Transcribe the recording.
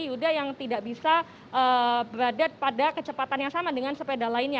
yuda yang tidak bisa berada pada kecepatan yang sama dengan sepeda lainnya